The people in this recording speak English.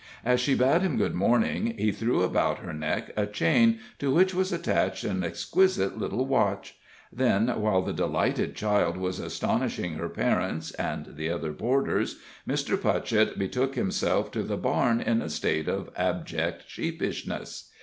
As she bade him good morning, he threw about her neck a chain, to which was attached an exquisite little watch; then, while the delighted child was astonishing her parents and the other boarders, Mr. Putchett betook himself to the barn in a state of abject sheepishness.